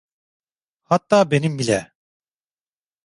Hatta benim bile!